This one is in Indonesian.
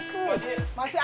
eh preman natek tuh